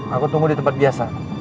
aku tunggu di tempat biasa